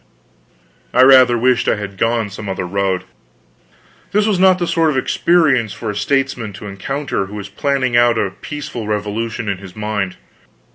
I rather wished I had gone some other road. This was not the sort of experience for a statesman to encounter who was planning out a peaceful revolution in his mind.